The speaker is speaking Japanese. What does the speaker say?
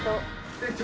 店長。